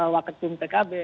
wakil tum tkb